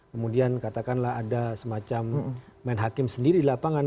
kemudian katakanlah ada semacam main hakim sendiri di lapangan